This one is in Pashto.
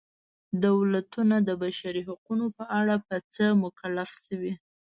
دولتونه د بشري حقونو په اړه په څه مکلف شوي.